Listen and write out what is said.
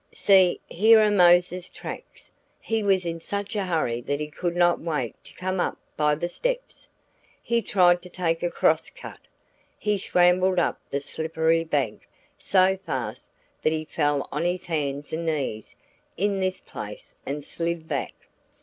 "See, here are Mose's tracks. He was in such a hurry that he could not wait to come up by the steps; he tried to take a cross cut. He scrambled up the slippery bank so fast that he fell on his hands and knees in this place and slid back.